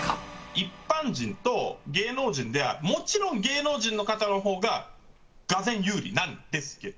一般人と芸能人では、もちろん芸能人の方のほうが俄然有利なんですけど。